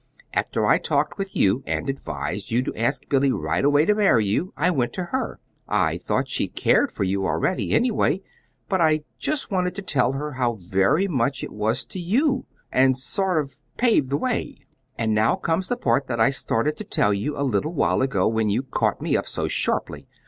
After I talked with you, and advised you to ask Billy right away to marry you, I went to her. I thought she cared for you already, anyway; but I just wanted to tell her how very much it was to you, and so sort of pave the way. And now comes the part that I started to tell you a little while ago when you caught me up so sharply.